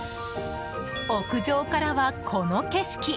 屋上からは、この景色。